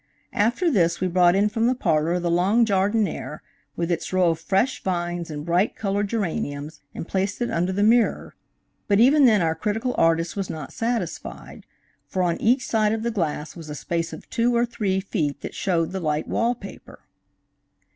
After this we brought in from the parlor the long jardinière, with its row of fresh vines and bright colored geraniums, and placed it under the mirror, but even then our critical artist was not satisfied, for on each side of the glass was a space of two or three feet that showed the light wall paper.